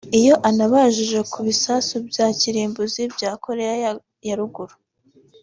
Iyo anabajijwe ku bisasu bya kirimbuzi bya Koreya ya Ruguru